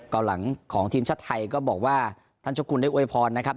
กลางหลังของทีมชาติไทยก็บอกว่าท่านเจ้าคุณได้อวยพรนะครับ